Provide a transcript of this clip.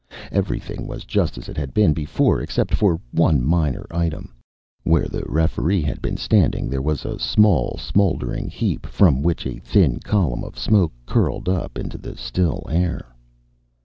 Everything was just as it had been before, except for one minor item. Where the referee had been standing, there was a small, smol dering heap, from which a thin column of smoke curled up into the still air.